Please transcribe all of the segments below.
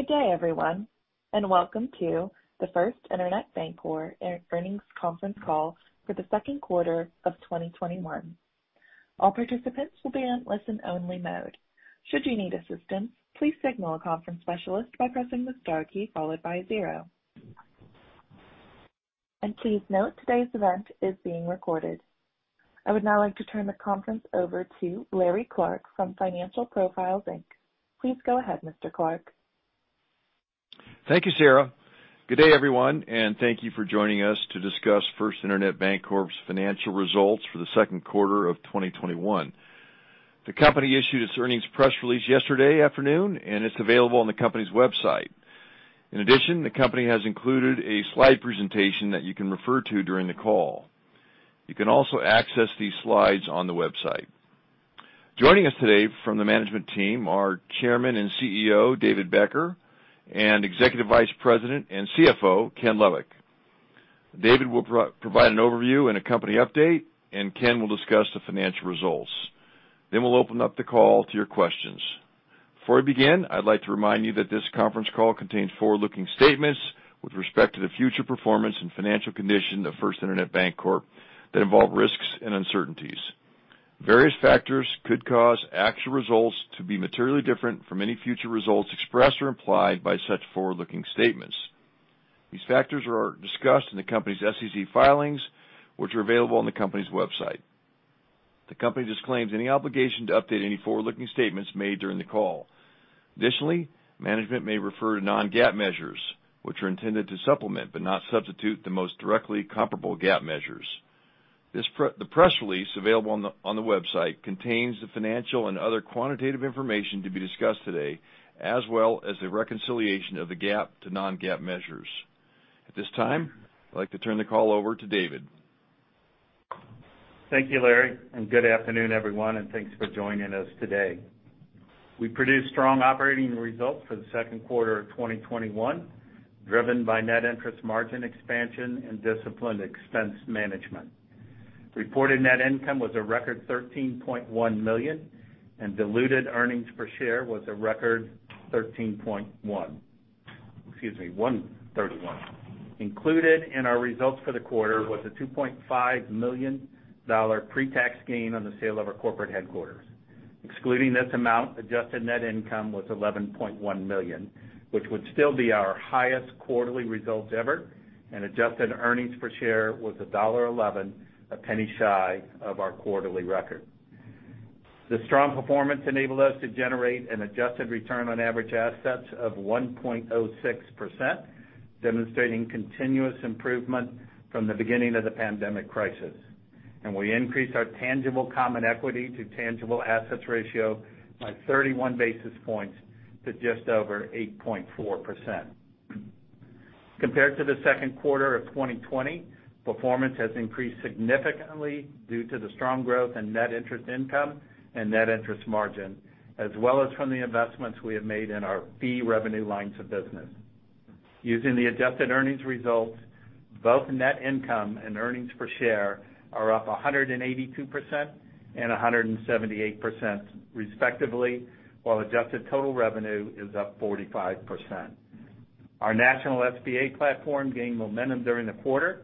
Good day, everyone, and welcome to the First Internet Bancorp earnings conference call for the second quarter of 2021. All participants will be on listen only mode, should you need assistance please signal a conference specialist by pressing the star key followed by zero and please note that this event is being recorded. I Would now like to turn the conference over to Larry Clark from Financial Profiles, Inc. Please go ahead, Mr. Clark. Thank you, Sarah. Good day, everyone, and thank you for joining us to discuss First Internet Bancorp's financial results for the second quarter of 2021. The company issued its earnings press release yesterday afternoon, and it's available on the company's website. In addition, the company has included a slide presentation that you can refer to during the call. You can also access these slides on the website. Joining us today from the management team are Chairman and CEO, David Becker, and Executive Vice President and CFO, Ken Lovik. David will provide an overview and a company update, and Ken will discuss the financial results. We'll open up the call to your questions. Before we begin, I'd like to remind you that this conference call contains forward-looking statements with respect to the future performance and financial condition of First Internet Bancorp that involve risks and uncertainties. Various factors could cause actual results to be materially different from any future results expressed or implied by such forward-looking statements. These factors are discussed in the company's SEC filings, which are available on the company's website. The company disclaims any obligation to update any forward-looking statements made during the call. Additionally, management may refer to non-GAAP measures, which are intended to supplement, but not substitute, the most directly comparable GAAP measures. The press release available on the website contains the financial and other quantitative information to be discussed today, as well as the reconciliation of the GAAP to non-GAAP measures. At this time, I'd like to turn the call over to David. Thank you, Larry, good afternoon, everyone, and thanks for joining us today. We produced strong operating results for the second quarter of 2021, driven by net interest margin expansion and disciplined expense management. Reported net income was a record $13.1 million, and diluted earnings per share was a record 13.1. Excuse me, $1.31. Included in our results for the quarter was a $2.5 million pre-tax gain on the sale of our corporate headquarters. Excluding this amount, adjusted net income was $11.1 million, which would still be our highest quarterly results ever, and adjusted earnings per share was $1.11, $0.01 shy of our quarterly record. The strong performance enabled us to generate an adjusted return on average assets of 1.06%, demonstrating continuous improvement from the beginning of the pandemic crisis. We increased our tangible common equity to tangible assets ratio by 31 basis points to just over 8.4%. Compared to the second quarter of 2020, performance has increased significantly due to the strong growth in net interest income and net interest margin, as well as from the investments we have made in our fee revenue lines of business. Using the adjusted earnings results, both net income and earnings per share are up 182% and 178%, respectively, while adjusted total revenue is up 45%. Our national SBA platform gained momentum during the quarter,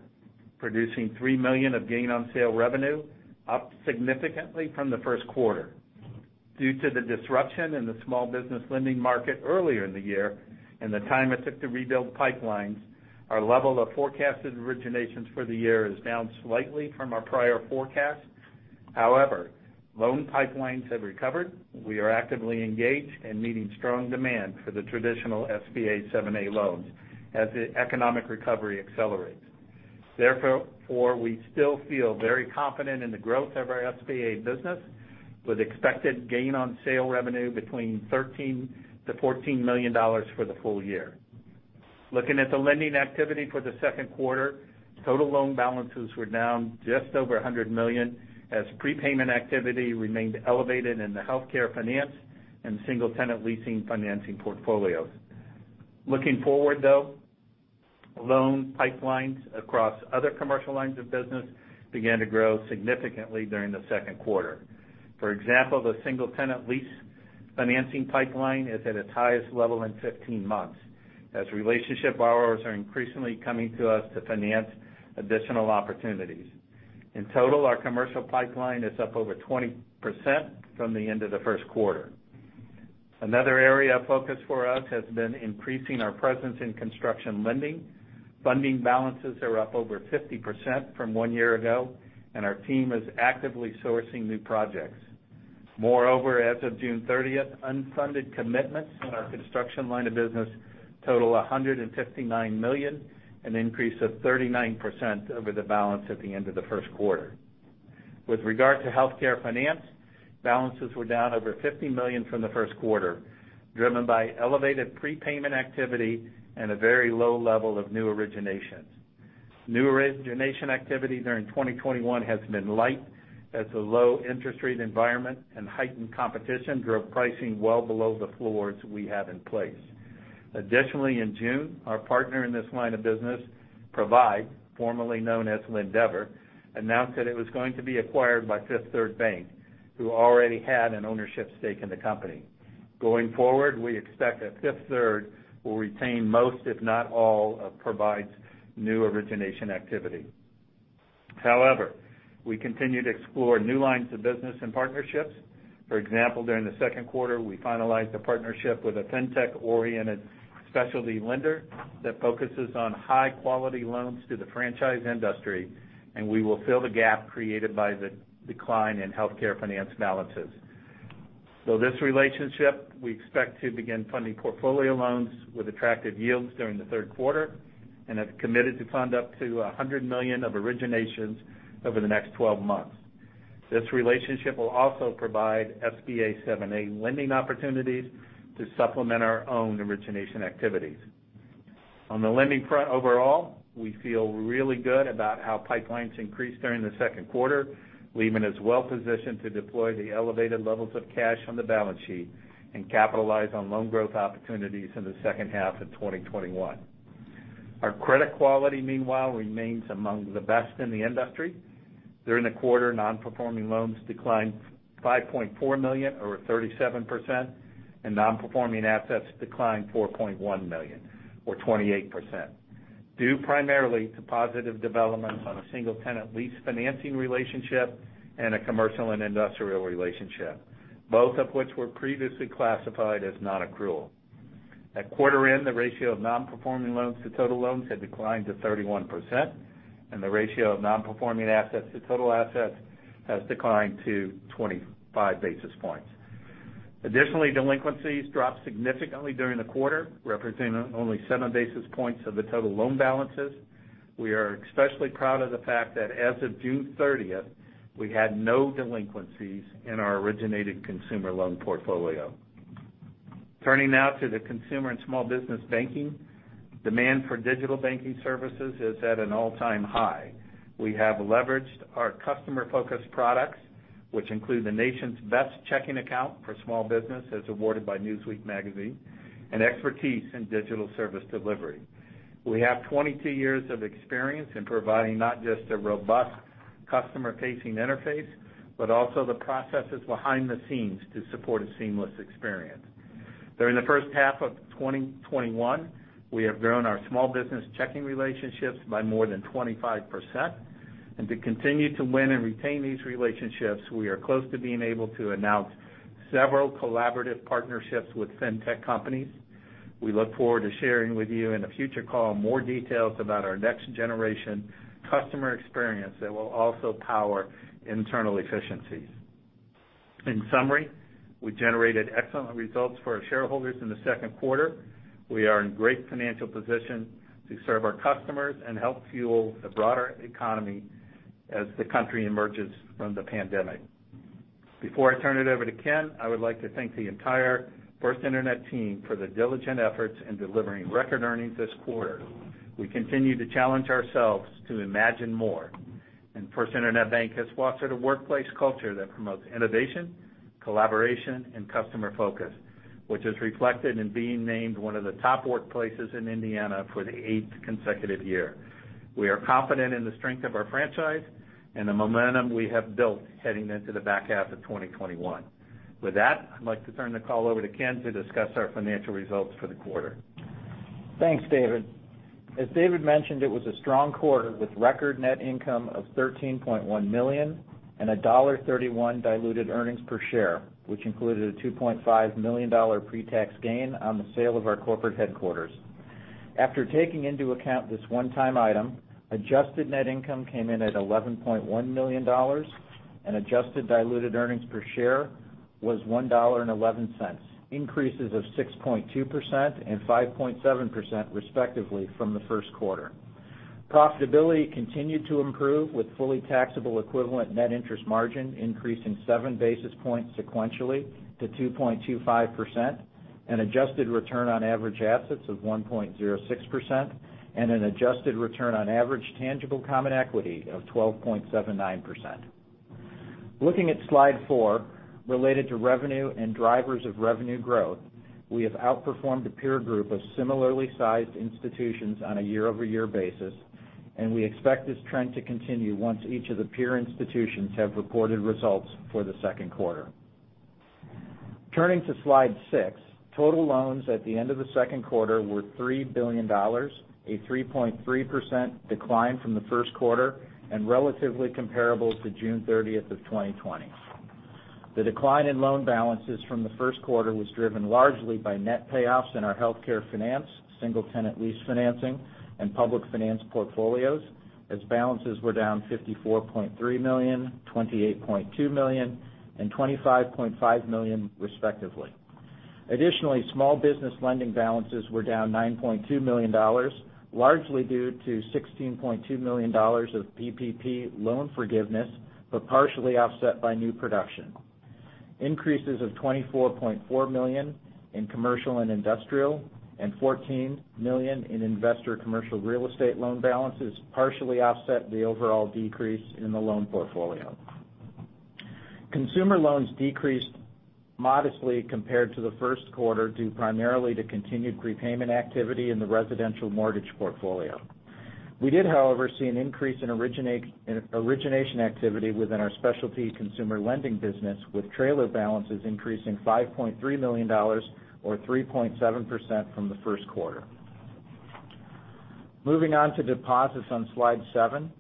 producing $3 million of gain on sale revenue, up significantly from the first quarter. Due to the disruption in the small business lending market earlier in the year and the time it took to rebuild pipelines, our level of forecasted originations for the year is down slightly from our prior forecast. However, loan pipelines have recovered. We are actively engaged and meeting strong demand for the traditional SBA 7(a) loans as the economic recovery accelerates. Therefore, we still feel very confident in the growth of our SBA business, with expected gain on sale revenue between $13 million-$14 million for the full year. Looking at the lending activity for the second quarter, total loan balances were down just over $100 million as prepayment activity remained elevated in the healthcare finance and single tenant leasing financing portfolios. Looking forward, though, loan pipelines across other commercial lines of business began to grow significantly during the second quarter. For example, the single tenant lease financing pipeline is at its highest level in 15 months, as relationship borrowers are increasingly coming to us to finance additional opportunities. In total, our commercial pipeline is up over 20% from the end of the first quarter. Another area of focus for us has been increasing our presence in construction lending. Funding balances are up over 50% from one year ago, and our team is actively sourcing new projects. Moreover, as of June 30th, unfunded commitments in our construction line of business total $159 million, an increase of 39% over the balance at the end of the first quarter. With regard to healthcare finance, balances were down over $50 million from the first quarter, driven by elevated prepayment activity and a very low level of new originations. New origination activity during 2021 has been light as the low interest rate environment and heightened competition drove pricing well below the floors we have in place. Additionally, in June, our partner in this line of business, Provide, formerly known as Lendeavor, announced that it was going to be acquired by Fifth Third Bank. Who already had an ownership stake in the company. Going forward, we expect that Fifth Third will retain most, if not all, of Provide's new origination activity. However, we continue to explore new lines of business and partnerships. For example, during the second quarter, we finalized a partnership with a fintech-oriented specialty lender that focuses on high-quality loans to the franchise industry, and we will fill the gap created by the decline in healthcare finance balances. This relationship, we expect to begin funding portfolio loans with attractive yields during the third quarter, and have committed to fund up to $100 million of originations over the next 12 months. This relationship will also provide SBA 7(a) lending opportunities to supplement our own origination activities. On the lending front overall, we feel really good about how pipelines increased during the second quarter, leaving us well-positioned to deploy the elevated levels of cash on the balance sheet and capitalize on loan growth opportunities in the second half of 2021. Our credit quality, meanwhile, remains among the best in the industry. During the quarter, non-performing loans declined $5.4 million, or 37%, and non-performing assets declined $4.1 million, or 28%, due primarily to positive developments on a single-tenant lease financing relationship and a commercial and industrial relationship, both of which were previously classified as non-accrual. At quarter end, the ratio of non-performing loans to total loans had declined to 31%, and the ratio of non-performing assets to total assets has declined to 25 basis points. Additionally, delinquencies dropped significantly during the quarter, representing only 7 basis points of the total loan balances. We are especially proud of the fact that as of June 30th, we had no delinquencies in our originated consumer loan portfolio. Turning now to the consumer and small business banking. Demand for digital banking services is at an all-time high. We have leveraged our customer-focused products, which include the nation's best checking account for small business as awarded by Newsweek magazine, and expertise in digital service delivery. We have 22 years of experience in providing not just a robust customer-facing interface, but also the processes behind the scenes to support a seamless experience. During the first half of 2021, we have grown our small business checking relationships by more than 25%. To continue to win and retain these relationships, we are close to being able to announce several collaborative partnerships with fintech companies. We look forward to sharing with you in a future call more details about our next generation customer experience that will also power internal efficiencies. In summary, we generated excellent results for our shareholders in the second quarter. We are in great financial position to serve our customers and help fuel the broader economy as the country emerges from the pandemic. Before I turn it over to Ken, I would like to thank the entire First Internet team for their diligent efforts in delivering record earnings this quarter. We continue to challenge ourselves to imagine more, and First Internet Bank has fostered a workplace culture that promotes innovation, collaboration, and customer focus, which is reflected in being named one of the top workplaces in Indiana for the eighth consecutive year. We are confident in the strength of our franchise and the momentum we have built heading into the back half of 2021. With that, I'd like to turn the call over to Ken to discuss our financial results for the quarter. Thanks, David. As David mentioned, it was a strong quarter with record net income of $13.1 million and $1.31 diluted earnings per share, which included a $2.5 million pre-tax gain on the sale of our corporate headquarters. After taking into account this one-time item, adjusted net income came in at $11.1 million and adjusted diluted earnings per share was $1.11, increases of 6.2% and 5.7% respectively from the first quarter. Profitability continued to improve with fully taxable equivalent net interest margin increasing seven basis points sequentially to 2.25%, an adjusted return on average assets of 1.06%, and an adjusted return on average tangible common equity of 12.79%. Looking at slide four, related to revenue and drivers of revenue growth, we have outperformed a peer group of similarly sized institutions on a year-over-year basis, and we expect this trend to continue once each of the peer institutions have reported results for the second quarter. Turning to slide six. Total loans at the end of the second quarter were $3 billion, a 3.3% decline from the first quarter, and relatively comparable to June 30th of 2020. The decline in loan balances from the first quarter was driven largely by net payoffs in our healthcare finance, single-tenant lease financing, and public finance portfolios as balances were down $54.3 million, $28.2 million, and $25.5 million respectively. Additionally, small business lending balances were down $9.2 million, largely due to $16.2 million of PPP loan forgiveness, but partially offset by new production. Increases of $24.4 million in commercial and industrial and $14 million in investor commercial real estate loan balances partially offset the overall decrease in the loan portfolio. Consumer loans decreased modestly compared to the first quarter due primarily to continued prepayment activity in the residential mortgage portfolio. We did, however, see an increase in origination activity within our specialty consumer lending business, with trailer balances increasing $5.3 million, or 3.7% from the first quarter. Moving on to deposits on Slide seven.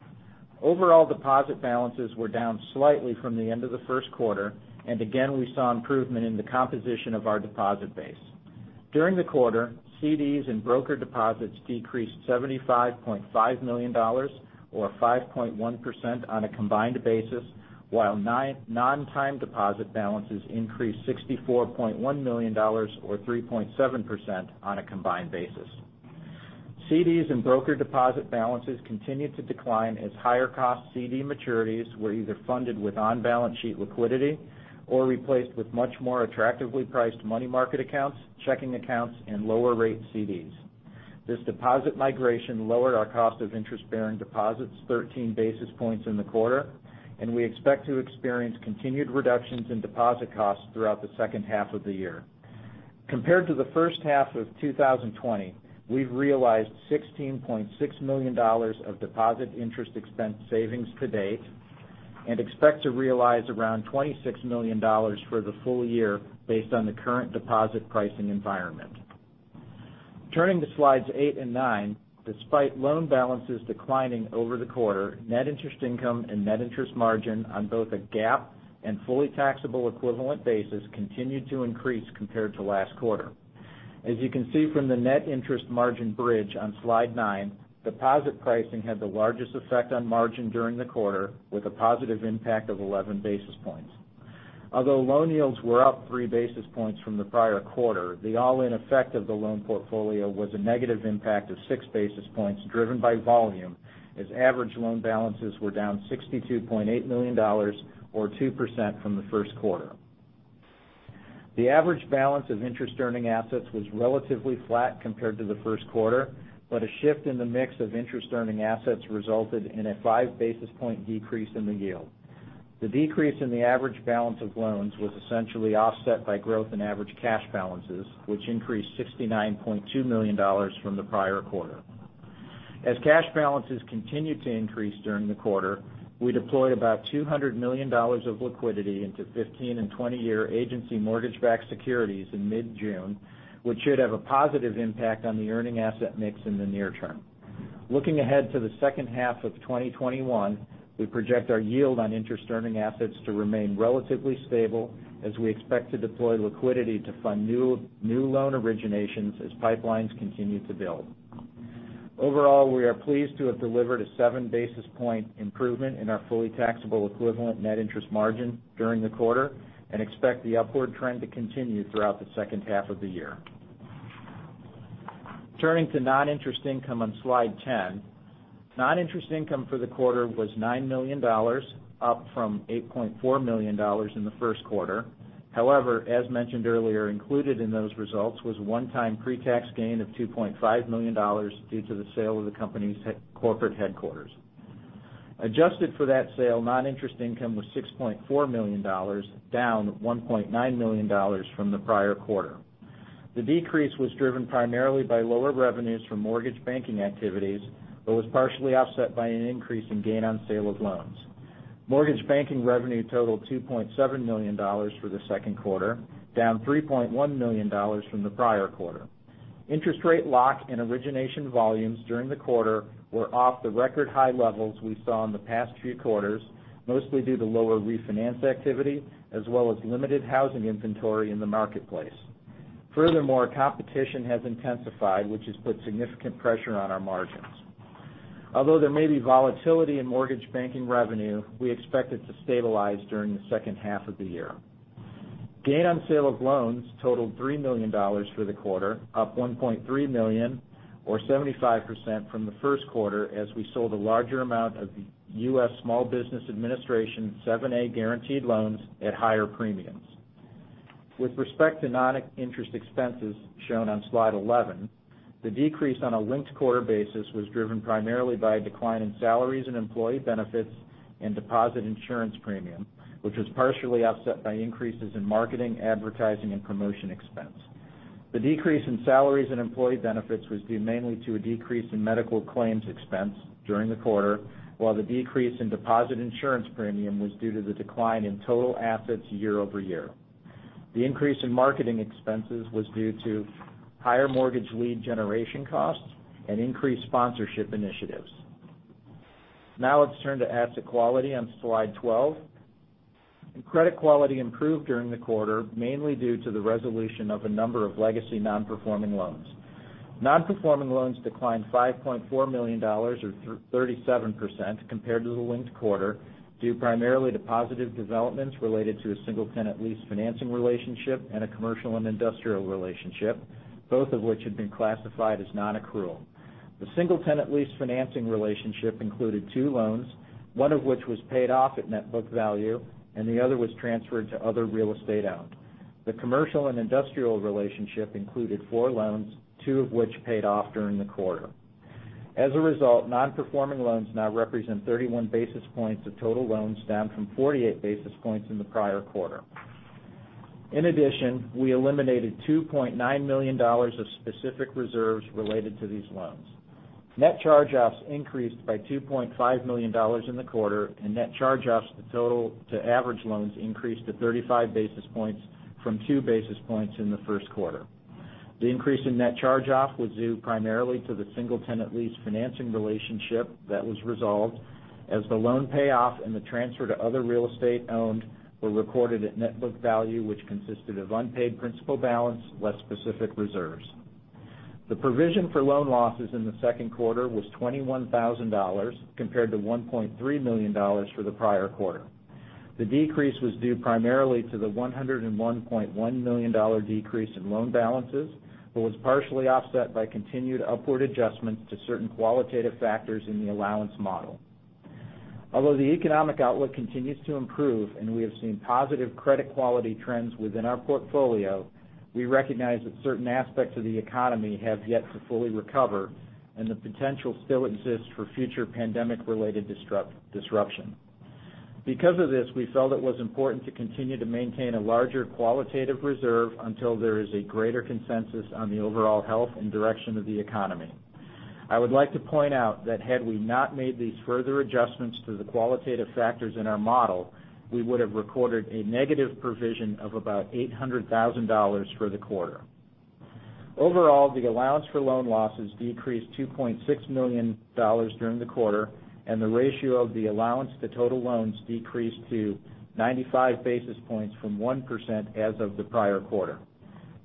Overall deposit balances were down slightly from the end of the first quarter, and again, we saw improvement in the composition of our deposit base. During the quarter, CDs and brokered deposits decreased $75.5 million, or 5.1% on a combined basis, while non-time deposit balances increased $64.1 million, or 3.7%, on a combined basis. CDs and brokered deposit balances continued to decline as higher cost CD maturities were either funded with on-balance sheet liquidity or replaced with much more attractively priced money market accounts, checking accounts, and lower rate CDs. This deposit migration lowered our cost of interest-bearing deposits 13 basis points in the quarter, and we expect to experience continued reductions in deposit costs throughout the second half of the year. Compared to the first half of 2020, we've realized $16.6 million of deposit interest expense savings to date and expect to realize around $26 million for the full year based on the current deposit pricing environment. Turning to Slides eight and nine, despite loan balances declining over the quarter, net interest income and net interest margin on both a GAAP and fully taxable equivalent basis continued to increase compared to last quarter. As you can see from the net interest margin bridge on Slide nine, deposit pricing had the largest effect on margin during the quarter, with a positive impact of 11 basis points. Although loan yields were up three basis points from the prior quarter, the all-in effect of the loan portfolio was a negative impact of six basis points driven by volume, as average loan balances were down $62.8 million, or 2%, from the first quarter. The average balance of interest-earning assets was relatively flat compared to the first quarter, but a shift in the mix of interest-earning assets resulted in a five basis point decrease in the yield. The decrease in the average balance of loans was essentially offset by growth in average cash balances, which increased $69.2 million from the prior quarter. As cash balances continued to increase during the quarter, we deployed about $200 million of liquidity into 15- and 20-year agency mortgage-backed securities in mid-June, which should have a positive impact on the earning asset mix in the near term. Looking ahead to the second half of 2021, we project our yield on interest-earning assets to remain relatively stable as we expect to deploy liquidity to fund new loan originations as pipelines continue to build. Overall, we are pleased to have delivered a 7 basis point improvement in our fully taxable equivalent net interest margin during the quarter and expect the upward trend to continue throughout the second half of the year. Turning to non-interest income on Slide 10. Non-interest income for the quarter was $9 million, up from $8.4 million in the first quarter. As mentioned earlier, included in those results was a one-time pre-tax gain of $2.5 million due to the sale of the company's corporate headquarters. Adjusted for that sale, non-interest income was $6.4 million, down $1.9 million from the prior quarter. The decrease was driven primarily by lower revenues from mortgage banking activities, was partially offset by an increase in gain on sale of loans. Mortgage banking revenue totaled $2.7 million for the second quarter, down $3.1 million from the prior quarter. Interest rate lock and origination volumes during the quarter were off the record high levels we saw in the past few quarters, mostly due to lower refinance activity as well as limited housing inventory in the marketplace. Competition has intensified, which has put significant pressure on our margins. Although there may be volatility in mortgage banking revenue, we expect it to stabilize during the second half of the year. Gain on sale of loans totaled $3 million for the quarter, up $1.3 million, or 75%, from the first quarter, as we sold a larger amount of U.S. Small Business Administration 7(a) guaranteed loans at higher premiums. With respect to non-interest expenses shown on Slide 11, the decrease on a linked-quarter basis was driven primarily by a decline in salaries and employee benefits and deposit insurance premium, which was partially offset by increases in marketing, advertising, and promotion expense. The decrease in salaries and employee benefits was due mainly to a decrease in medical claims expense during the quarter, while the decrease in deposit insurance premium was due to the decline in total assets year-over-year. The increase in marketing expenses was due to higher mortgage lead generation costs and increased sponsorship initiatives. Let's turn to asset quality on Slide 12. Credit quality improved during the quarter, mainly due to the resolution of a number of legacy non-performing loans. Non-performing loans declined $5.4 million, or 37%, compared to the linked quarter due primarily to positive developments related to a single tenant lease financing relationship and a commercial and industrial relationship, both of which had been classified as non-accrual. The single tenant lease financing relationship included two loans, one of which was paid off at net book value, and the other was transferred to other real estate owned. The commercial and industrial relationship included four loans, two of which paid off during the quarter. As a result, non-performing loans now represent 31 basis points of total loans, down from 48 basis points in the prior quarter. In addition, we eliminated $2.9 million of specific reserves related to these loans. Net charge-offs increased by $2.5 million in the quarter, and net charge-offs to average loans increased to 35 basis points from two basis points in the first quarter. The increase in net charge-off was due primarily to the single tenant lease financing relationship that was resolved as the loan payoff and the transfer to other real estate owned were recorded at net book value, which consisted of unpaid principal balance less specific reserves. The provision for loan losses in the second quarter was $21,000 compared to $1.3 million for the prior quarter. The decrease was due primarily to the $101.1 million decrease in loan balances, but was partially offset by continued upward adjustments to certain qualitative factors in the allowance model. Although the economic outlook continues to improve and we have seen positive credit quality trends within our portfolio, we recognize that certain aspects of the economy have yet to fully recover and the potential still exists for future pandemic-related disruption. Because of this, we felt it was important to continue to maintain a larger qualitative reserve until there is a greater consensus on the overall health and direction of the economy. I would like to point out that had we not made these further adjustments to the qualitative factors in our model, we would have recorded a negative provision of about $800,000 for the quarter. Overall, the allowance for loan losses decreased $2.6 million during the quarter, and the ratio of the allowance to total loans decreased to 95 basis points from 1% as of the prior quarter.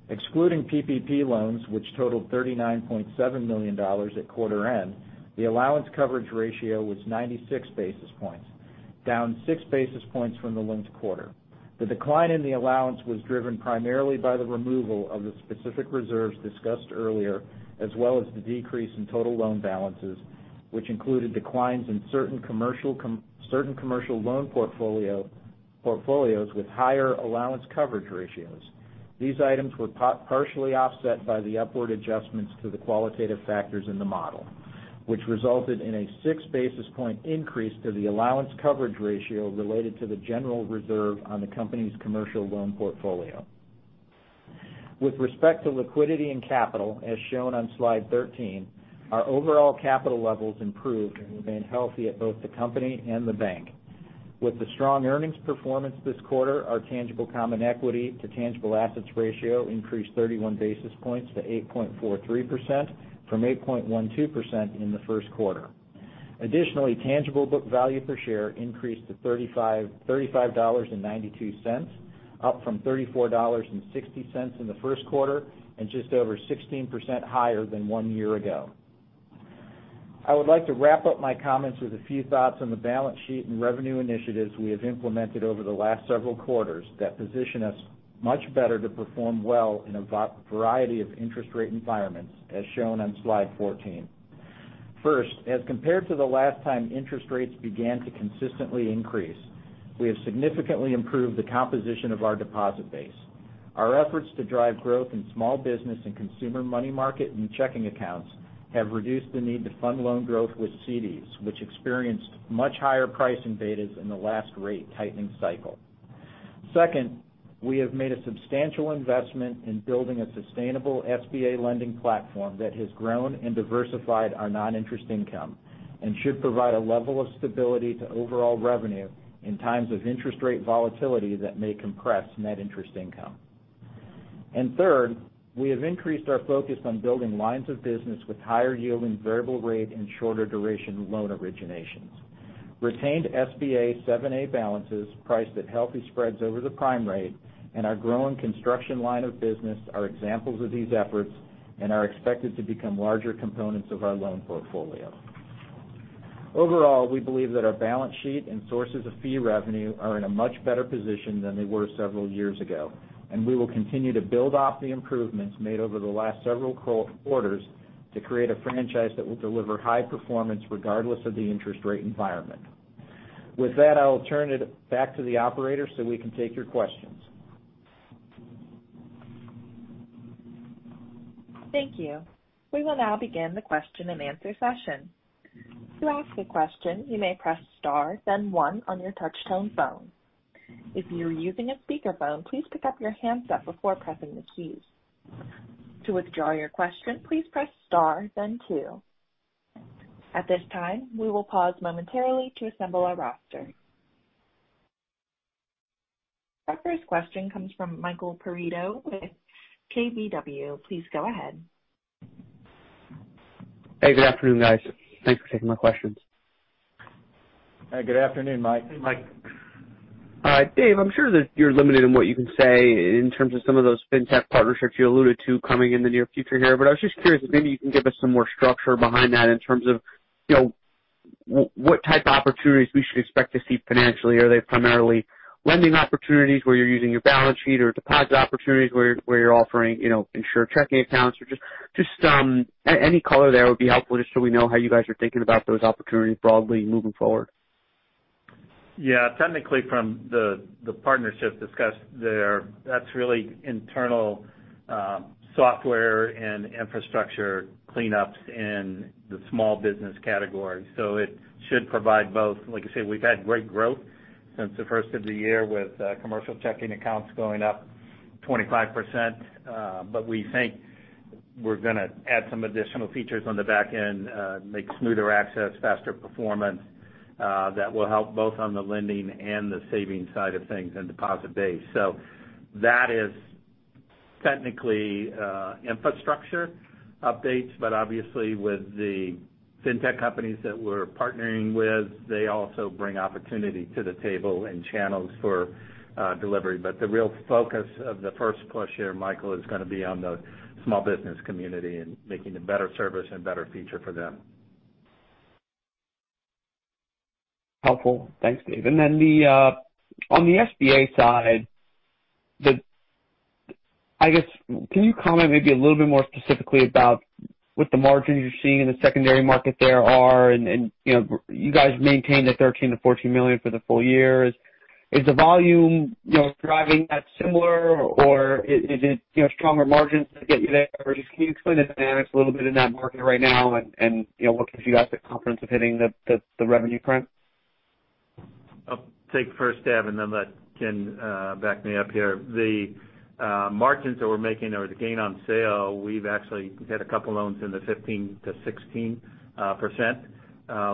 Excluding PPP loans, which totaled $39.7 million at quarter end, the allowance coverage ratio was 96 basis points, down 6 basis points from the linked quarter. The decline in the allowance was driven primarily by the removal of the specific reserves discussed earlier, as well as the decrease in total loan balances, which included declines in certain commercial loan portfolios with higher allowance coverage ratios. These items were partially offset by the upward adjustments to the qualitative factors in the model, which resulted in a 6 basis point increase to the allowance coverage ratio related to the general reserve on the company's commercial loan portfolio. With respect to liquidity and capital, as shown on slide 13, our overall capital levels improved and remained healthy at both the company and the bank. With the strong earnings performance this quarter, our tangible common equity to tangible assets ratio increased 31 basis points to 8.43% from 8.12% in the first quarter. Additionally, tangible book value per share increased to $35.92, up from $34.60 in the first quarter and just over 16% higher than one year ago. I would like to wrap up my comments with a few thoughts on the balance sheet and revenue initiatives we have implemented over the last several quarters that position us much better to perform well in a variety of interest rate environments, as shown on slide 14. First, as compared to the last time interest rates began to consistently increase, we have significantly improved the composition of our deposit base. Our efforts to drive growth in small business and consumer money market and checking accounts have reduced the need to fund loan growth with CDs, which experienced much higher pricing betas in the last rate tightening cycle. Second, we have made a substantial investment in building a sustainable SBA lending platform that has grown and diversified our non-interest income and should provide a level of stability to overall revenue in times of interest rate volatility that may compress net interest income. Third, we have increased our focus on building lines of business with higher yielding variable rate and shorter duration loan originations. Retained SBA 7(a) balances priced at healthy spreads over the prime rate and our growing construction line of business are examples of these efforts and are expected to become larger components of our loan portfolio. Overall, we believe that our balance sheet and sources of fee revenue are in a much better position than they were several years ago, and we will continue to build off the improvements made over the last several quarters to create a franchise that will deliver high performance regardless of the interest rate environment. With that, I'll turn it back to the operator so we can take your questions. Thank you. We will now begin the question and answer session. To ask a question you may press star then one on your touch-tone phone. If you are using a speakerphone, please put off your handset before pressing the key. To withdraw your question please press star then two. At this time, we will pause momentarily to assemble our roster. Our first question comes from Michael Perito with KBW. Please go ahead. Hey, good afternoon, guys. Thanks for taking my questions. Hey, good afternoon, Mike. Hey, Mike. All right, David, I'm sure that you're limited in what you can say in terms of some of those fintech partnerships you alluded to coming in the near future here, but I was just curious if maybe you can give us some more structure behind that in terms of what type of opportunities we should expect to see financially. Are they primarily lending opportunities where you're using your balance sheet or deposit opportunities where you're offering insured checking accounts or just any color there would be helpful, just so we know how you guys are thinking about those opportunities broadly moving forward? Technically from the partnership discussed there, that's really internal software and infrastructure cleanups in the small business category. It should provide both. Like I said, we've had great growth since the first of the year with commercial checking accounts going up 25%. We think we're going to add some additional features on the back end, make smoother access, faster performance, that will help both on the lending and the savings side of things and deposit base. That is technically infrastructure updates. Obviously with the fintech companies that we're partnering with, they also bring opportunity to the table and channels for delivery. The real focus of the first push here, Michael, is going to be on the small business community and making a better service and better feature for them. Helpful. Thanks, Dave. Then on the SBA side, I guess, can you comment maybe a little bit more specifically about what the margins you're seeing in the secondary market there are, and you guys maintain the $13 million-$14 million for the full year. Is the volume driving that similar or is it stronger margins to get you there? Just can you explain the dynamics a little bit in that market right now and what gives you guys the confidence of hitting the revenue trend? I'll take the first stab and then let Ken back me up here. The margins that we're making or the gain on sale, we've actually had a couple loans in the 15%-16%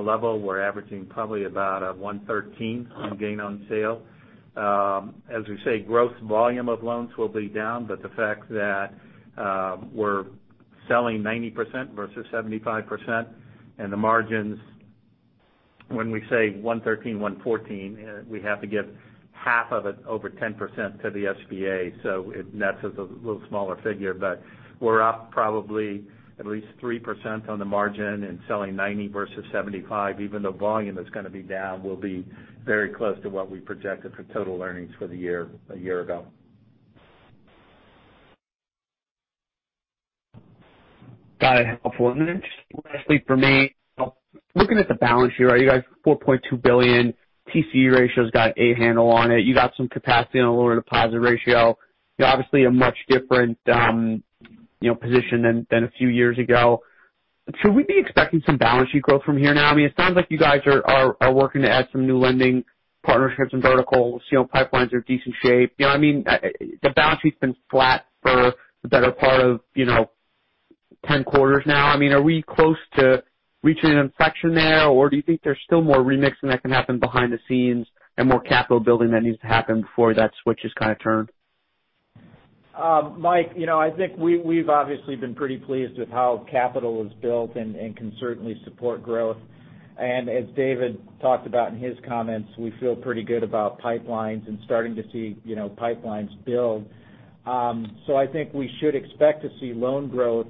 level. We're averaging probably about a 113 on gain on sale. As we say, gross volume of loans will be down, but the fact that we're selling 90% versus 75%, and the margins, when we say 113, 114, we have to give half of it over 10% to the SBA, so it nets us a little smaller figure. We're up probably at least 3% on the margin and selling 90 versus 75. Even though volume is going to be down, we'll be very close to what we projected for total earnings for the year a year ago. Got it. Helpful. Then just lastly for me, looking at the balance sheet, right, you guys, $4.2 billion. TCE ratio's got a handle on it. You got some capacity on a lower deposit ratio. Obviously a much different position than a few years ago. Should we be expecting some balance sheet growth from here now? It sounds like you guys are working to add some new lending partnerships and verticals. Pipelines are in decent shape. You know what I mean? The balance sheet's been flat for the better part of 10 quarters now. Are we close to reaching an inflection there, or do you think there's still more remixing that can happen behind the scenes and more capital building that needs to happen before that switch is kind of turned? Michael, I think we've obviously been pretty pleased with how capital is built and can certainly support growth. As David talked about in his comments, we feel pretty good about pipelines and starting to see pipelines build. I think we should expect to see loan growth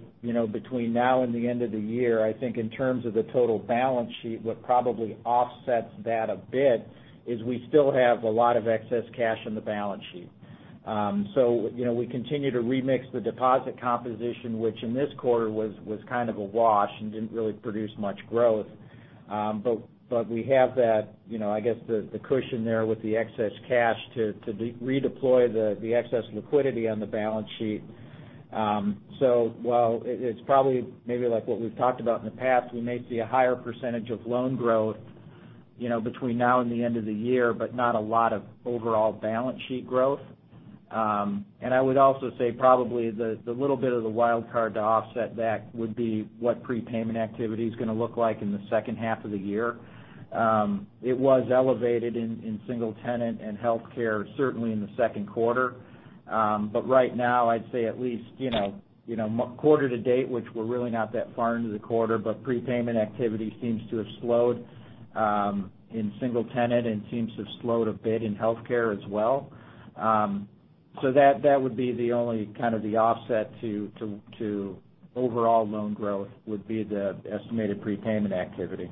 between now and the end of the year. I think in terms of the total balance sheet, what probably offsets that a bit is we still have a lot of excess cash on the balance sheet. We continue to remix the deposit composition, which in this quarter was kind of a wash and didn't really produce much growth. We have that, I guess the cushion there with the excess cash to redeploy the excess liquidity on the balance sheet. While it's probably maybe like what we've talked about in the past, we may see a higher percentage of loan growth between now and the end of the year, but not a lot of overall balance sheet growth. I would also say probably the little bit of the wild card to offset that would be what prepayment activity is going to look like in the second half of the year. It was elevated in single tenant and healthcare certainly in the second quarter. Right now, I'd say at least quarter to date, which we're really not that far into the quarter, but prepayment activity seems to have slowed in single tenant and seems to have slowed a bit in healthcare as well. That would be the only kind of the offset to overall loan growth, would be the estimated prepayment activity.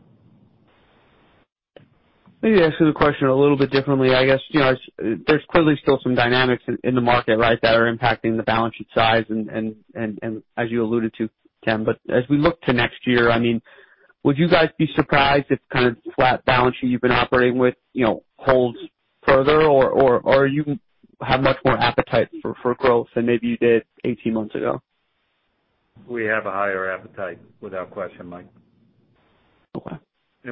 Maybe asking the question a little bit differently, I guess. There's clearly still some dynamics in the market, right, that are impacting the balance sheet size and as you alluded to, Ken. As we look to next year, would you guys be surprised if kind of flat balance sheet you've been operating with holds further, or you have much more appetite for growth than maybe you did 18 months ago? We have a higher appetite, without question, Mike. Okay. We're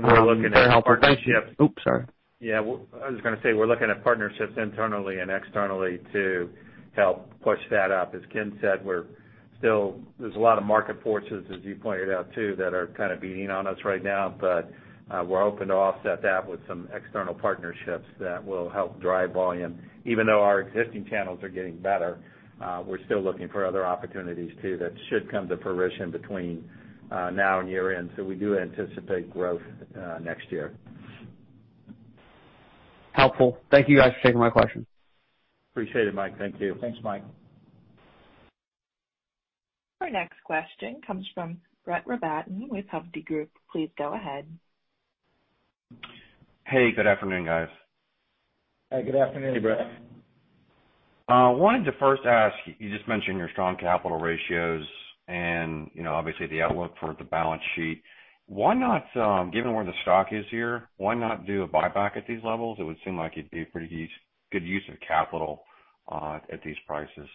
looking at partnerships. Oops, sorry. Yeah. I was going to say, we're looking at partnerships internally and externally to help push that up. As Ken said, there's a lot of market forces, as you pointed out too, that are kind of beating on us right now, but we're hoping to offset that with some external partnerships that will help drive volume. Even though our existing channels are getting better, we're still looking for other opportunities too that should come to fruition between now and year-end. We do anticipate growth next year. Helpful. Thank you guys for taking my questions. Appreciate it, Mike. Thank you. Thanks, Mike. Our next question comes from Brett Rabatin with Hovde Group. Please go ahead. Hey, good afternoon, guys. Hey, good afternoon. Hey, Brett. Wanted to first ask, you just mentioned your strong capital ratios and obviously the outlook for the balance sheet. Given where the stock is here, why not do a buyback at these levels? It would seem like it'd be a pretty good use of capital at these prices.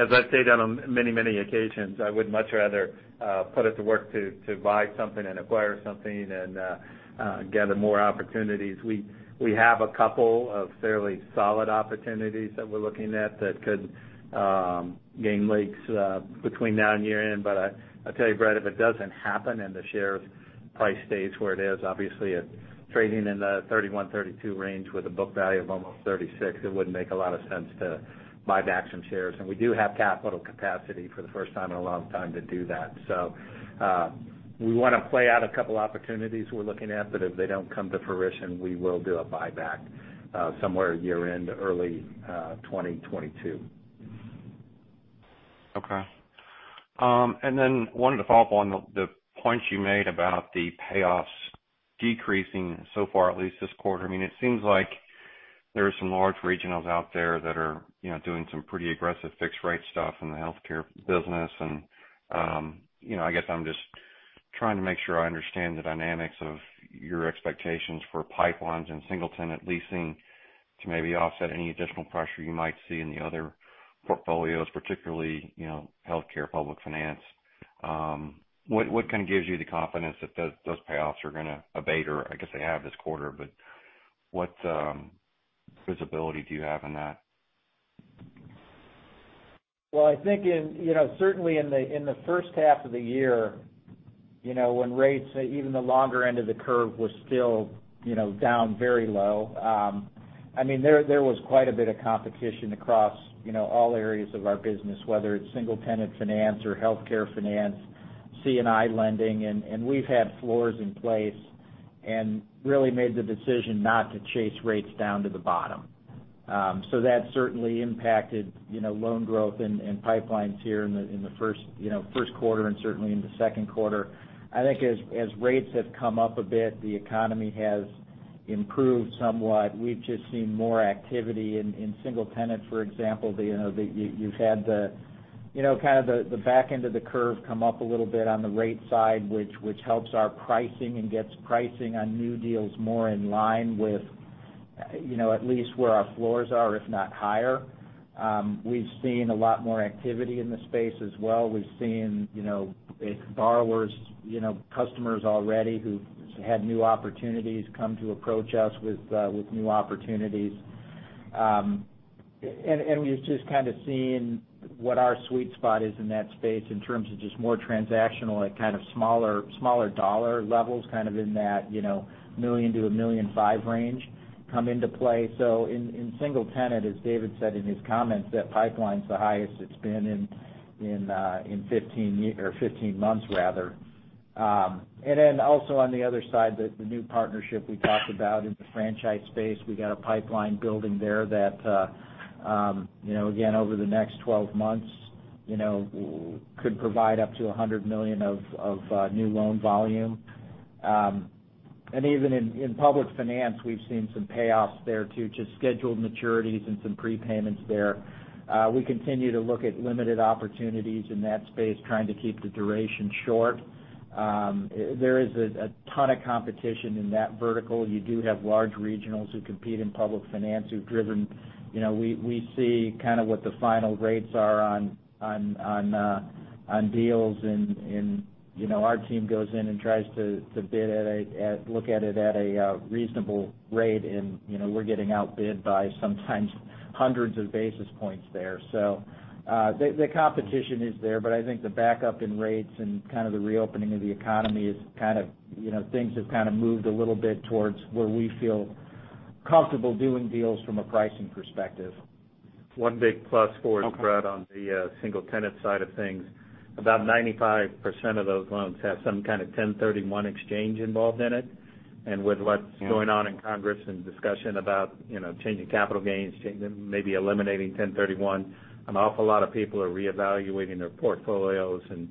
As I've stated on many occasions, I would much rather put us to work to buy something and acquire something and gather more opportunities. We have a couple of fairly solid opportunities that we're looking at that could gain legs between now and year-end. I'll tell you, Brett, if it doesn't happen and the share price stays where it is, obviously, it's trading in the $31-$32 range with a book value of almost $36. It wouldn't make a lot of sense to buy back some shares. We do have capital capacity for the first time in a long time to do that. We want to play out a couple opportunities we're looking at, but if they don't come to fruition, we will do a buyback somewhere year-end, early 2022. Okay. Wanted to follow up on the points you made about the payoffs decreasing so far, at least this quarter. It seems like there are some large regionals out there that are doing some pretty aggressive fixed rate stuff in the healthcare business. I guess I'm just trying to make sure I understand the dynamics of your expectations for pipelines and single tenant leasing to maybe offset any additional pressure you might see in the other portfolios, particularly, healthcare, public finance. What kind of gives you the confidence that those payoffs are going to abate or I guess they have this quarter, but what visibility do you have in that? Well, I think certainly in the first half of the year, when rates, even the longer end of the curve was still down very low. There was quite a bit of competition across all areas of our business, whether it's single tenant finance or healthcare finance, C&I lending, and we've had floors in place and really made the decision not to chase rates down to the bottom. That certainly impacted loan growth and pipelines here in the first quarter and certainly in the second quarter. I think as rates have come up a bit, the economy has improved somewhat. We've just seen more activity in single tenants, for example, you've had the back end of the curve come up a little bit on the rate side, which helps our pricing and gets pricing on new deals more in line with at least where our floors are, if not higher. We've seen a lot more activity in the space as well. We've seen borrowers, customers already who've had new opportunities come to approach us with new opportunities. We've just kind of seen what our sweet spot is in that space in terms of just more transactional at kind of smaller dollar levels, kind of in that $1 million-$1.5 million range come into play. In single tenant, as David said in his comments, that pipeline's the highest it's been in 15 years, or 15 months rather. Also on the other side, the new partnership we talked about in the franchise space, we got a pipeline building there that again, over the next 12 months could provide up to $100 million of new loan volume. Even in public finance, we've seen some payoffs there, too, just scheduled maturities and some prepayments there. We continue to look at limited opportunities in that space, trying to keep the duration short. There is a ton of competition in that vertical. You do have large regionals who compete in public finance who've driven, we see kind of what the final rates are on deals and our team goes in and tries to look at it at a reasonable rate, and we're getting outbid by sometimes hundreds of basis points there. The competition is there, but I think the backup in rates and kind of the reopening in the economy. Things have kind of moved a little bit towards where we feel comfortable doing deals from a pricing perspective. One big plus for, Brett, on the single tenant side of things. About 95% of those loans have some kind of 1031 exchange involved in it. With what's going on in Congress and discussion about changing capital gains, maybe eliminating 1031, an awful lot of people are reevaluating their portfolios and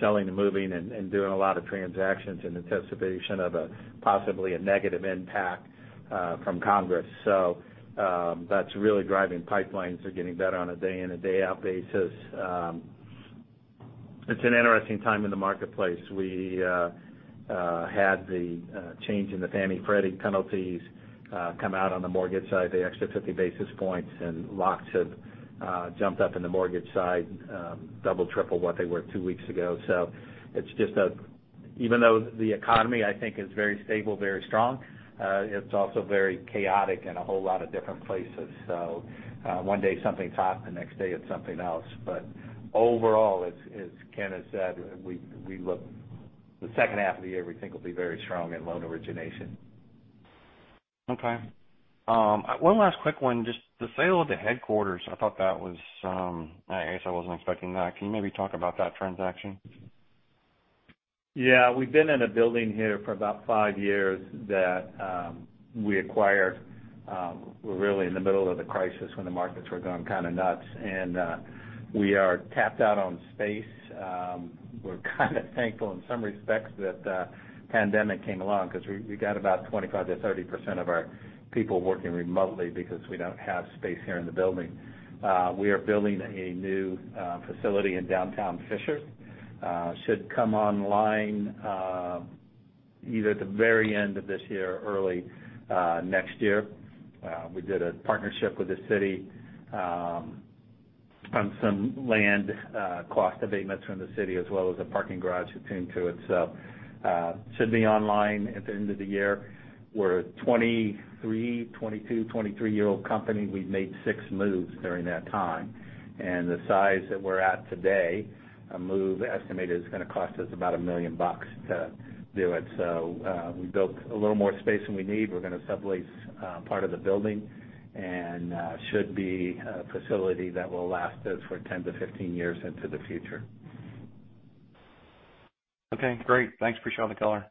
selling and moving and doing a lot of transactions in anticipation of a possibly a negative impact from Congress. That's really driving pipelines are getting better on a day in and day out basis. It's an interesting time in the marketplace. We had the change in the Fannie Freddie penalties come out on the mortgage side, the extra 50 basis points, and locks have jumped up in the mortgage side, double, triple what they were two weeks ago. Even though the economy, I think, is very stable, very strong, it's also very chaotic in a whole lot of different places. One day something's hot, the next day it's something else. Overall, as Ken has said, the second half of the year we think will be very strong in loan origination. Okay. One last quick one. Just the sale of the headquarters. I guess I wasn't expecting that. Can you maybe talk about that transaction? Yeah. We've been in a building here for about five years that we acquired, really in the middle of the crisis when the markets were going kind of nuts. We are tapped out on space. We're kind of thankful in some respects that the pandemic came along because we got about 25%-30% of our people working remotely because we don't have space here in the building. We are building a new facility in downtown Fishers. Should come online either at the very end of this year or early next year. We did a partnership with the city on some land cost abatements from the city, as well as a parking garage attuned to it. Should be online at the end of the year. We're a 23, 22, 23-year-old company. We've made six moves during that time. The size that we're at today, a move estimated is going to cost us about $1 million to do it. We built a little more space than we need. We're going to sublease part of the building and should be a facility that will last us for 10-15 years into the future. Okay, great. Thanks for sharing the color.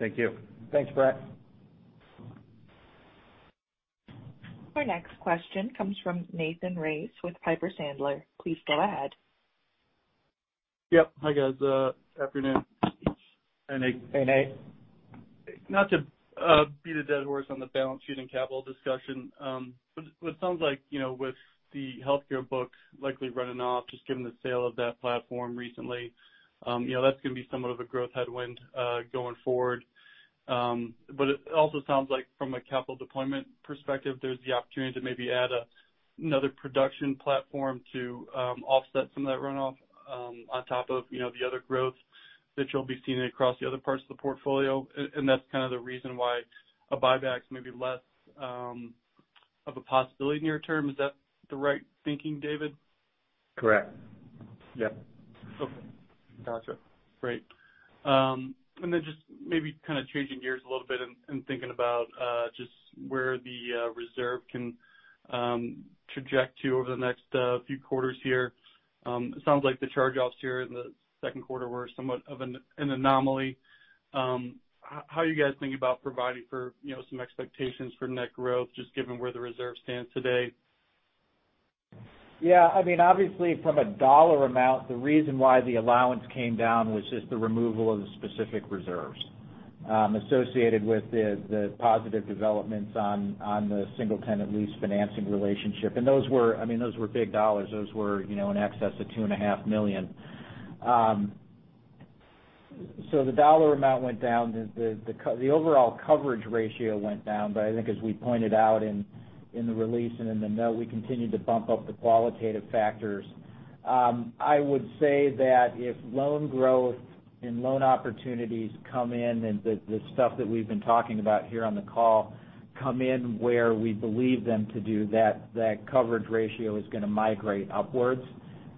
Thank you. Thanks, Brett. Our next question comes from Nathan Race with Piper Sandler. Please go ahead. Yep. Hi, guys. Afternoon. Hey, Nate. Hey, Nate. Not to beat a dead horse on the balance sheet and capital discussion. It sounds like, with the healthcare book likely running off, just given the sale of that platform recently, that's going to be somewhat of a growth headwind, going forward. It also sounds like from a capital deployment perspective, there's the opportunity to maybe add another production platform to offset some of that runoff, on top of the other growth that you'll be seeing across the other parts of the portfolio. That's kind of the reason why a buyback is maybe less of a possibility near term. Is that the right thinking, David? Correct. Yep. Okay. Gotcha. Great. Just maybe kind of changing gears a little bit and thinking about just where the reserve can traject to over the next few quarters here. It sounds like the charge-offs here in the second quarter were somewhat of an anomaly. How are you guys thinking about providing for some expectations for net growth, just given where the reserve stands today? Yeah. Obviously, from a dollar amount, the reason why the allowance came down was just the removal of the specific reserves associated with the positive developments on the single-tenant lease financing relationship. Those were big dollars. Those were in excess of $2.5 million. The dollar amount went down. The overall coverage ratio went down. I think as we pointed out in the release and in the note, we continued to bump up the qualitative factors. I would say that if loan growth and loan opportunities come in and the stuff that we've been talking about here on the call come in where we believe them to do, that coverage ratio is going to migrate upwards.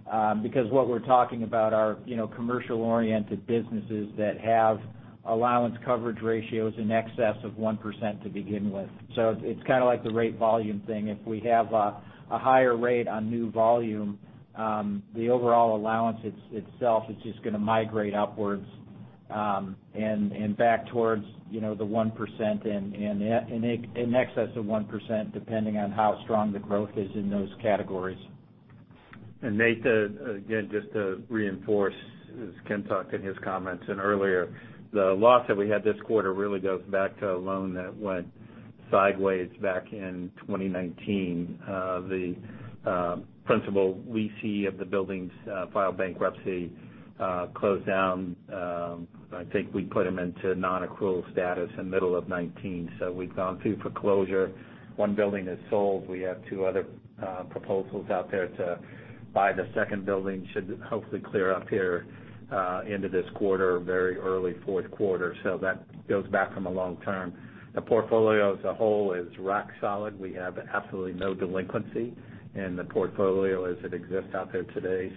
What we're talking about are commercial-oriented businesses that have allowance coverage ratios in excess of 1% to begin with. It's kind of like the rate volume thing. If we have a higher rate on new volume, the overall allowance itself is just going to migrate upwards, and back towards the 1% and in excess of 1%, depending on how strong the growth is in those categories. Nate, again, just to reinforce, as Ken talked in his comments and earlier, the loss that we had this quarter really goes back to a loan that went sideways back in 2019. The principal we see of the buildings filed bankruptcy, closed down. I think we put them into non-accrual status in middle of 2019. We've gone through foreclosure. One building is sold. We have two other proposals out there to buy the second building. Should hopefully clear up here, end of this quarter, very early fourth quarter. That goes back from a long term. The portfolio as a whole is rock solid. We have absolutely no delinquency in the portfolio as it exists out there today.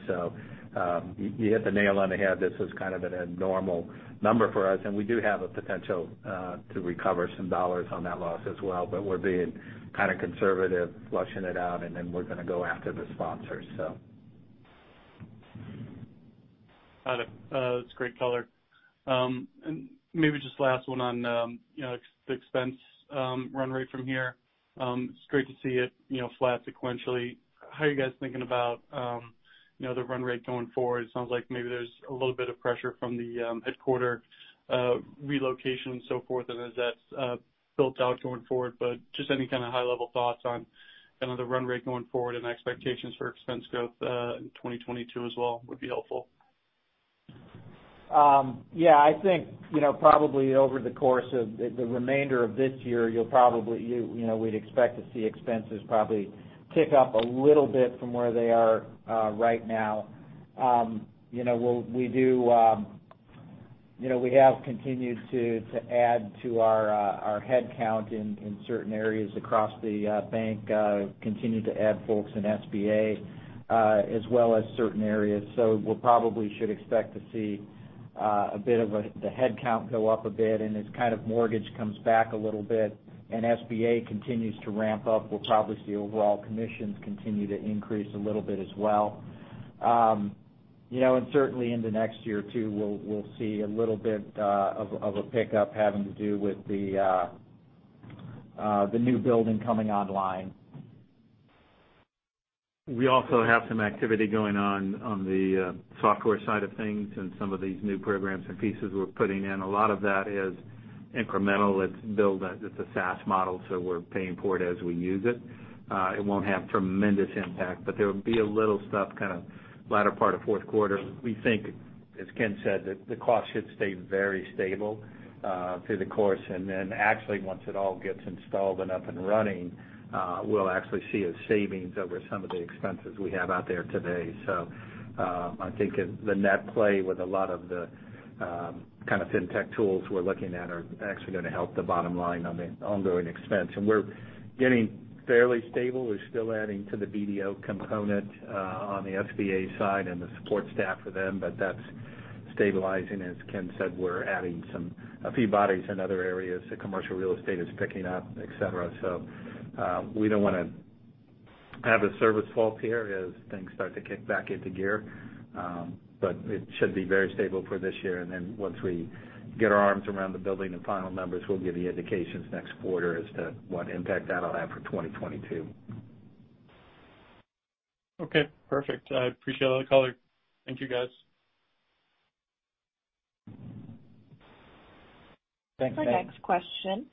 You hit the nail on the head. This was kind of an abnormal number for us, and we do have a potential to recover some dollars on that loss as well. We're being kind of conservative, flushing it out, and then we're going to go after the sponsors. Got it. That's great color. Maybe just last one on the expense run rate from here. It's great to see it flat sequentially. How are you guys thinking about the run rate going forward? It sounds like maybe there's a little bit of pressure from the headquarter relocation and so forth, and as that's built out going forward. Just any kind of high-level thoughts on kind of the run rate going forward and expectations for expense growth in 2022 as well would be helpful? Yeah, I think probably over the course of the remainder of this year, we'd expect to see expenses probably tick up a little bit from where they are right now. We have continued to add to our headcount in certain areas across the bank, continued to add folks in SBA, as well as certain areas. We probably should expect to see the headcount go up a bit. As kind of mortgage comes back a little bit and SBA continues to ramp up, we'll probably see overall commissions continue to increase a little bit as well. Certainly into next year, too, we'll see a little bit of a pickup having to do with the new building coming online. We also have some activity going on the software side of things and some of these new programs and pieces we're putting in. A lot of that is incremental. It's built as a SaaS model. We're paying for it as we use it. It won't have tremendous impact. There will be a little stuff kind of latter part of fourth quarter. We think, as Ken said, that the cost should stay very stable through the course. Actually, once it all gets installed and up and running, we'll actually see a savings over some of the expenses we have out there today. I'm thinking the net play with a lot of the kind of fintech tools we're looking at are actually going to help the bottom line on the ongoing expense. We're getting fairly stable. We're still adding to the BDO component on the SBA side and the support staff for them, but that's stabilizing. As Ken said, we're adding a few bodies in other areas. The commercial real estate is picking up, et cetera. We don't want to have a service fault here as things start to kick back into gear. It should be very stable for this year. Once we get our arms around the building and final numbers, we'll give you indications next quarter as to what impact that'll have for 2022. Okay, perfect. I appreciate all the color. Thank you, guys. Thanks, Nate. Our next question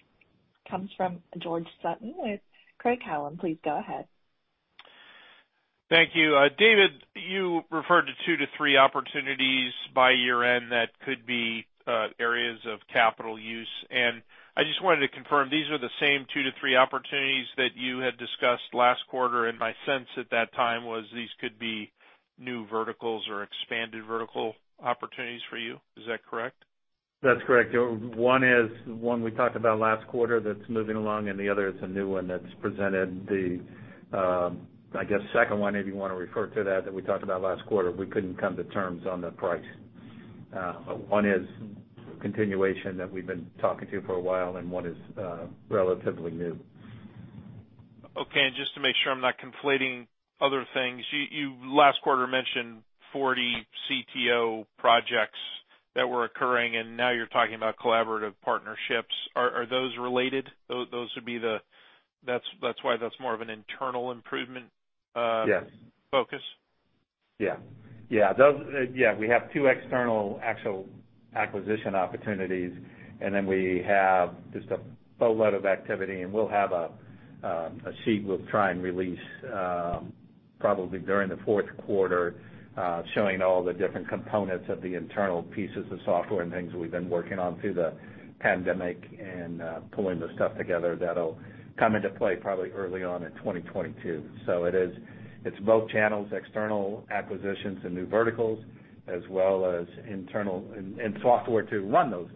comes from George Sutton with Craig-Hallum. Please go ahead. Thank you. David, you referred to two-three opportunities by year-end that could be areas of capital use. I just wanted to confirm, these are the same two-three opportunities that you had discussed last quarter. My sense at that time was these could be new verticals or expanded vertical opportunities for you. Is that correct? That's correct. One we talked about last quarter that's moving along, and the other is a new one that's presented. The, I guess, second one, if you want to refer to that we talked about last quarter, we couldn't come to terms on the price. One is a continuation that we've been talking to for a while, and one is relatively new. Okay. Just to make sure I'm not conflating other things, you last quarter mentioned 40 CTO projects that were occurring, and now you're talking about collaborative partnerships. Are those related? That why there is more of an internal improvement- Yes focus? We have two external actual acquisition opportunities, and then we have just a boatload of activity, and we'll have a sheet we'll try and release probably during the fourth quarter, showing all the different components of the internal pieces of software and things we've been working on through the pandemic and pulling the stuff together that'll come into play probably early on in 2022. It's both channels, external acquisitions and new verticals, as well as internal and software to run those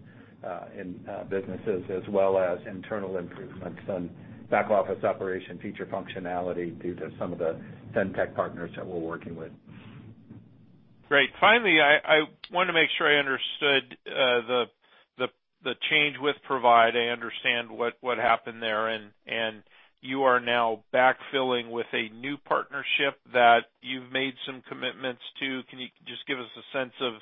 businesses, as well as internal improvements on back office operation, feature functionality, due to some of the fintech partners that we're working with. Great. Finally, I want to make sure I understood the change with Provide. I understand what happened there, and you are now back-filling with a new partnership that you've made some commitments to. Can you just give us a sense of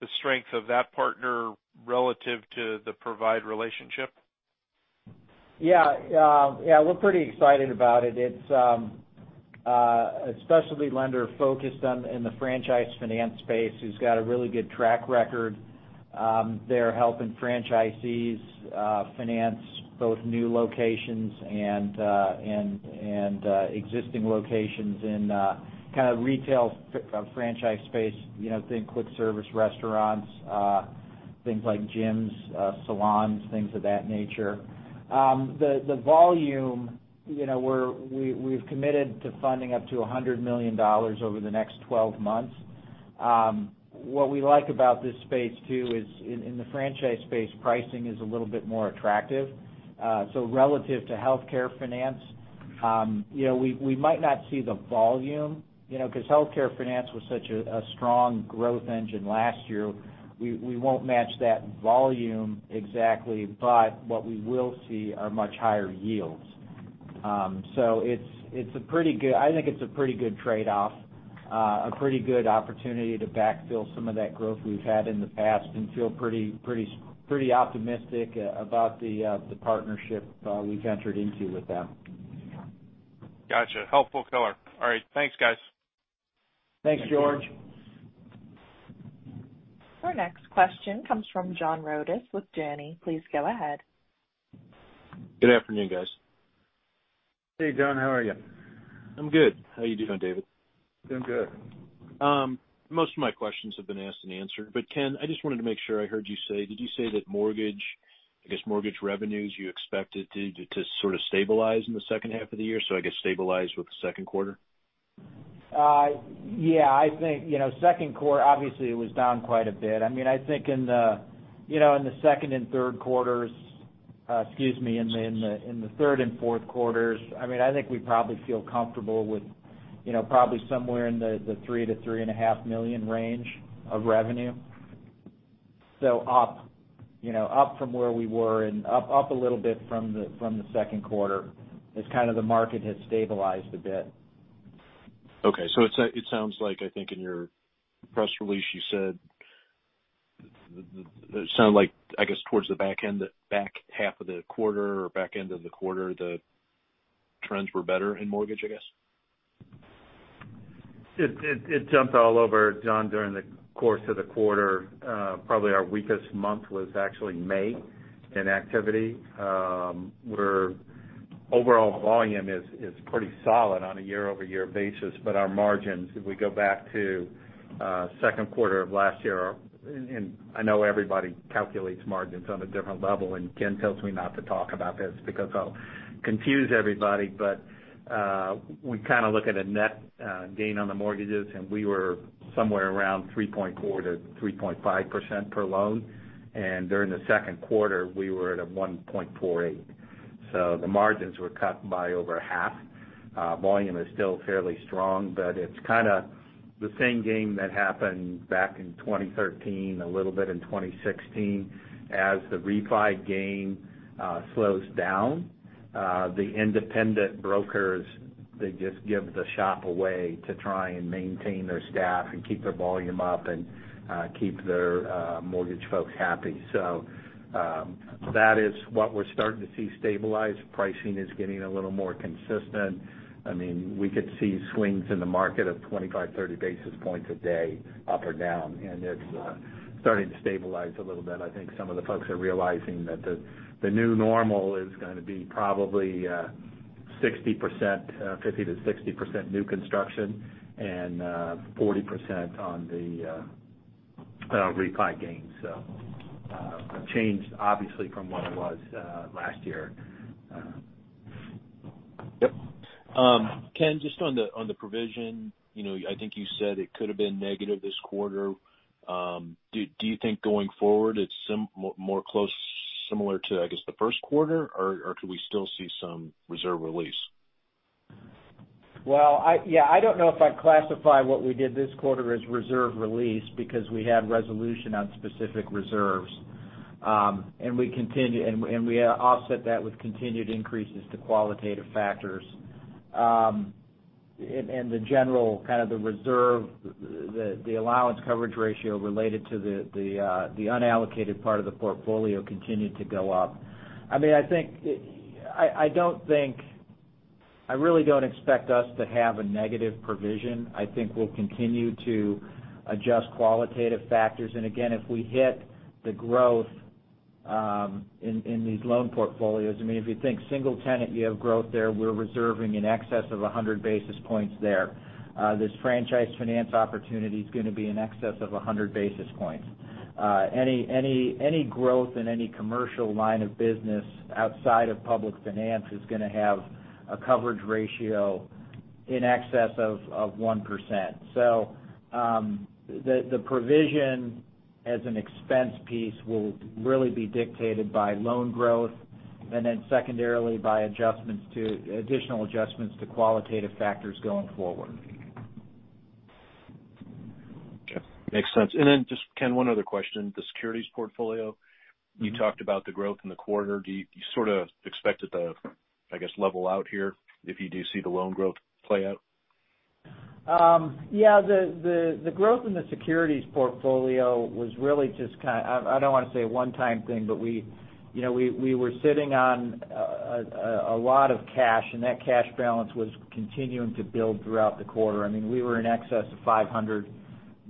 the strength of that partner relative to the Provide relationship? Yeah. We're pretty excited about it. It's a specialty lender focused in the franchise finance space, who's got a really good track record. They're helping franchisees finance both new locations and existing locations in kind of retail franchise space. Think quick service restaurants, things like gyms, salons, things of that nature. The volume, we've committed to funding up to $100 million over the next 12 months. What we like about this space too is in the franchise space, pricing is a little bit more attractive. Relative to healthcare finance, we might not see the volume, because healthcare finance was such a strong growth engine last year. We won't match that volume exactly, but what we will see are much higher yields. I think it's a pretty good trade-off, a pretty good opportunity to backfill some of that growth we've had in the past and feel pretty optimistic about the partnership we've entered into with them. Got you. Helpful color. All right. Thanks, guys. Thanks, George. Our next question comes from John Rodis with Janney. Please go ahead. Good afternoon, guys. Hey, John, how are you? I'm good. How you doing, David? Doing good. Most of my questions have been asked and answered, Ken, I just wanted to make sure I heard you say, did you say that mortgage revenues, you expected to sort of stabilize in the second half of the year, so I guess stabilize with the second quarter? I think second quarter, obviously, it was down quite a bit. I think in the third and fourth quarters, I think we probably feel comfortable with probably somewhere in the $3 million- $3.5 million range of revenue. Up from where we were and up a little bit from the second quarter as kind of the market has stabilized a bit. Okay. It sounds like, I think in your press release, it sounded like, I guess, towards the back end, the back half of the quarter or back end of the quarter, the trends were better in mortgage, I guess? It jumped all over, John, during the course of the quarter. Probably our weakest month was actually May in activity, where overall volume is pretty solid on a year-over-year basis. Our margins, if we go back to second quarter of last year, I know everybody calculates margins on a different level, Ken tells me not to talk about this because I'll confuse everybody, we kind of look at a net gain on the mortgages, we were somewhere around 3.4%-3.5% per loan. During the second quarter, we were at a 1.48%. The margins were cut by over half. Volume is still fairly strong, it's kind of the same game that happened back in 2013, a little bit in 2016. As the refi game slows down, the independent brokers, they just give the shop away to try and maintain their staff and keep their volume up and keep their mortgage folks happy. That is what we're starting to see stabilize. Pricing is getting a little more consistent. We could see swings in the market of 25, 30 basis points a day up or down, and it's starting to stabilize a little bit. I think some of the folks are realizing that the new normal is going to be probably 50%-60% new construction and 40% on the refi gain. A change obviously from what it was last year. Yep. Ken, just on the provision, I think you said it could have been negative this quarter. Do you think going forward it's more similar to, I guess, the first quarter, or could we still see some reserve release? Well, yeah, I don't know if I'd classify what we did this quarter as reserve release because we had resolution on specific reserves. We offset that with continued increases to qualitative factors. The general kind of the reserve, the allowance coverage ratio related to the unallocated part of the portfolio continued to go up. I really don't expect us to have a negative provision. I think we'll continue to adjust qualitative factors. Again, if we hit the growth in these loan portfolios, if you think single tenant, you have growth there. We're reserving in excess of 100 basis points there. This franchise finance opportunity is going to be in excess of 100 basis points. Any growth in any commercial line of business outside of public finance is going to have a coverage ratio in excess of 1%. The provision as an expense piece will really be dictated by loan growth and then secondarily by additional adjustments to qualitative factors going forward. Okay. Makes sense. Just, Ken, one other question. The securities portfolio. You talked about the growth in the quarter. Do you sort of expect it to, I guess, level out here if you do see the loan growth play out? The growth in the securities portfolio was really just kind of, I don't want to say a one-time thing, we were sitting on a lot of cash, and that cash balance was continuing to build throughout the quarter. We were in excess of $500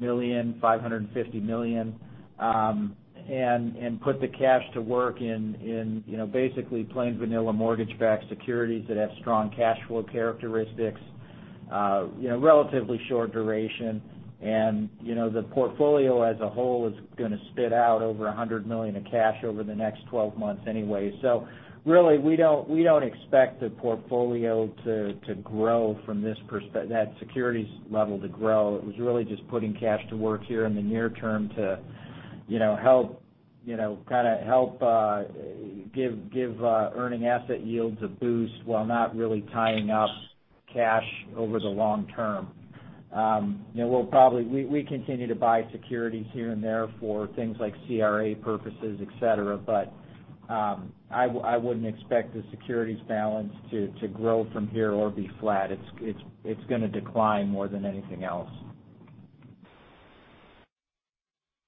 million, $550 million, put the cash to work in basically plain vanilla mortgage-backed securities that have strong cash flow characteristics, relatively short duration, and the portfolio as a whole is going to spit out over $100 million of cash over the next 12 months anyway. Really, we don't expect the portfolio to grow from that securities level to grow. It was really just putting cash to work here in the near term to kind of help give earning asset yields a boost while not really tying up cash over the long term. We continue to buy securities here and there for things like CRA purposes, et cetera. I wouldn't expect the securities balance to grow from here or be flat. It's going to decline more than anything else.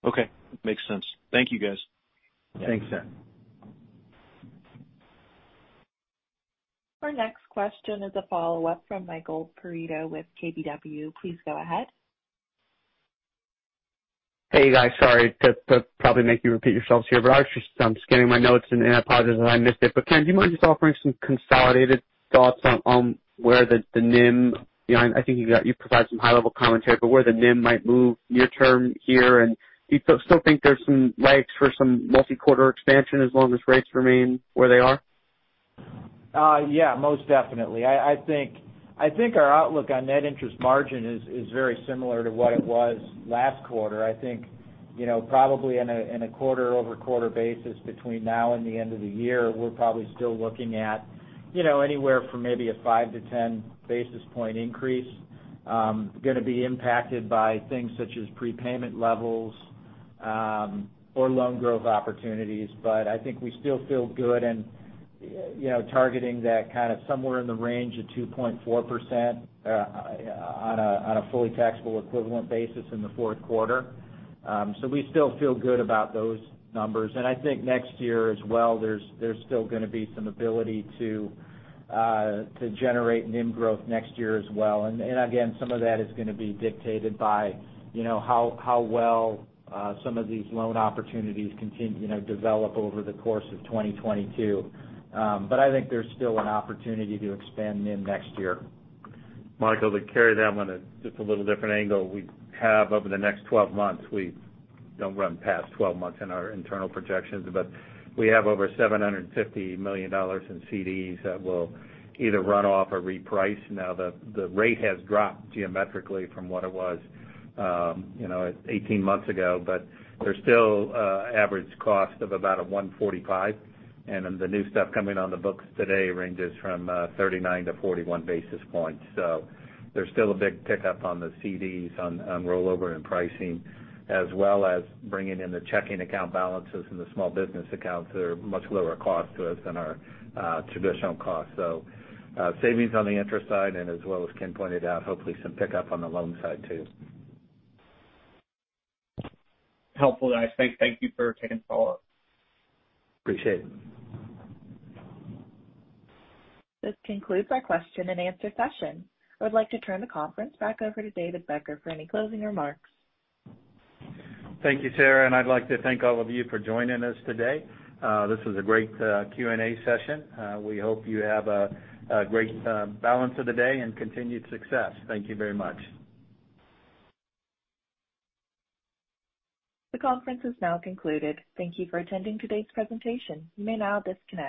Okay. Makes sense. Thank you, guys. Thanks. Our next question is a follow-up from Michael Perito with KBW. Please go ahead. Hey, guys. Sorry to probably make you repeat yourselves here. I was just scanning my notes, and I apologize if I missed it. Ken, do you mind just offering some consolidated thoughts on where the NIM, I think you provided some high-level commentary, but where the NIM might move near term here, and do you still think there's some legs for some multi-quarter expansion as long as rates remain where they are? Yeah, most definitely. I think our outlook on net interest margin is very similar to what it was last quarter. I think probably in a quarter-over-quarter basis between now and the end of the year, we're probably still looking at anywhere from maybe a 5-10 basis point increase, going to be impacted by things such as prepayment levels or loan growth opportunities. I think we still feel good in targeting that kind of somewhere in the range of 2.4% on a fully taxable equivalent basis in the fourth quarter. We still feel good about those numbers. I think next year as well, there's still going to be some ability to generate NIM growth next year as well. Again, some of that is going to be dictated by how well some of these loan opportunities continue to develop over the course of 2022. I think there's still an opportunity to expand NIM next year. Michael, to carry that one at just a little different angle. We have over the next 12 months, we don't run past 12 months in our internal projections, but we have over $750 million in CDs that will either run off or reprice. Now, the rate has dropped geometrically from what it was 18 months ago, but there's still average cost of about a 145, and then the new stuff coming on the books today ranges from 39-41 basis points. There's still a big pickup on the CDs on rollover and pricing, as well as bringing in the checking account balances and the small business accounts that are much lower cost to us than our traditional cost, and savings on the interest side, and as well as Ken pointed out, hopefully some pickup on the loan side, too. Helpful. I say thank you for taking the follow-up. Appreciate it. This concludes our question and answer session. I would like to turn the conference back over to David Becker for any closing remarks. Thank you, Sarah. I'd like to thank all of you for joining us today. This was a great Q&A session. We hope you have a great balance of the day and continued success. Thank you very much. The conference is now concluded. Thank you for attending today's presentation. You may now disconnect.